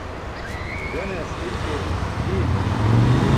Gane asi̇r ke, ji̇iye ke asi̇r.